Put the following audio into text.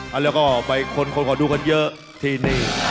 เอาละก็ออกไปคนขอดูกันเยอะที่นี่